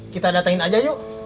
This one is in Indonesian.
kita datangin aja yuk